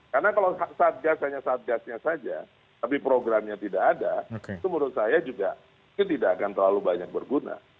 karena kalau satgas hanya satgasnya saja tapi programnya tidak ada itu menurut saya juga tidak akan terlalu banyak berguna